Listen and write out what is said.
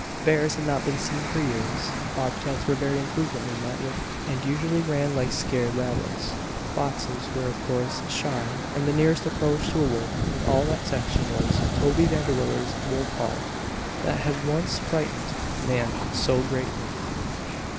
Bears had not been seen for years; bobcats were very infrequently met with and usually ran like scared rabbits; foxes were of course shy, and the nearest approach to a wolf in all that section was Toby Vanderwiller's wolfhound that had once frightened Nan so greatly.